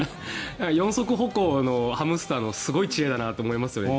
四足歩行のハムスターのすごい知恵だなと思いますよね。